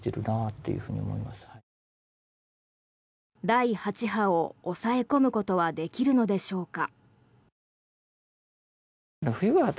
第８波を抑え込むことはできるのでしょうか。